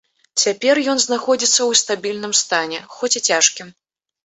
Цяпер ён знаходзіцца ў стабільным стане, хоць і цяжкім.